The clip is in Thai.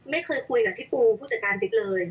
ไม่เคยคุยกับพี่ปูผู้จัดการบิ๊กเลย